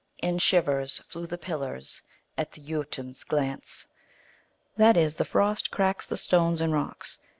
In shivers flew the pillars At the Jotun s glance." That is, the frost cracks the stones and rocks.